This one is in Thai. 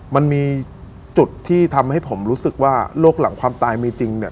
มันมีจุดที่ทำให้ผมรู้สึกว่าโรคหลังความตายมีจริงเนี่ย